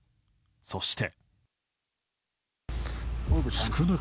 そして。